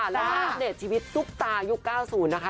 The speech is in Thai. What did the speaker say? แล้วเจอเด็ดชีวิตทุกตายุค๙๐นะคะ